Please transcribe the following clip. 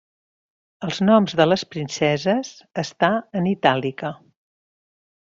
Els noms de les princeses està en itàlica.